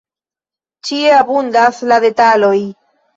Ĉie abundas la detaloj.